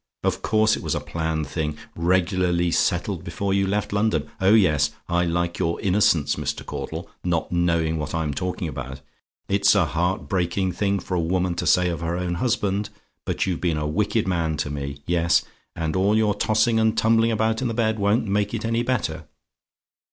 Of course it was a planned thing! regularly settled before you left London. Oh yes! I like your innocence, Mr. Caudle; not knowing what I'm talking about. It's a heart breaking thing for a woman to say of her own husband; but you've been a wicked man to me. Yes: and all your tossing and tumbling about in the bed won't make it any better.